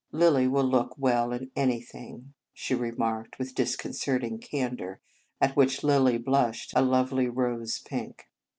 " Lilly will look well in anything," she remarked with disconcerting candour, at which Lilly blushed a lovely rose pink.